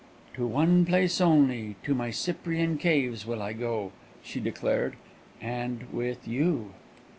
"To one place only, to my Cyprian caves, will I go," she declared, "and with you!"